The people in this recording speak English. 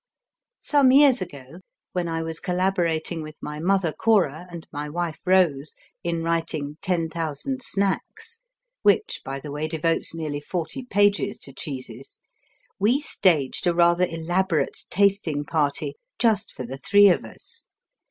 Some years ago, when I was collaborating with my mother, Cora, and my wife, Rose, in writing 10,000 Snacks (which, by the way, devotes nearly forty pages to cheeses), we staged a rather elaborate tasting party just for the three of us.